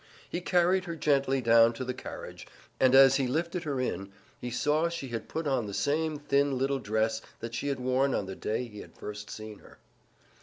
He carried her gently down to the carriage, and as he lifted her in, he saw she had put on the same thin little dress that she had worn on the day he had first seen her.